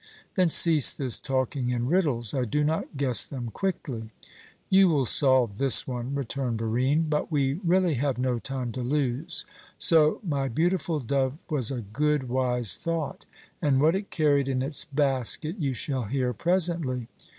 "Then cease this talking in riddles; I do not guess them quickly." "You will solve this one," returned Barine; "but we really have no time to lose. So my beautiful dove was a good, wise thought, and what it carried in its basket you shall hear presently.